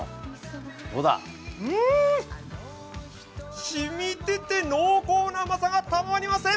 うん、染みてて濃厚な甘さがたまりません。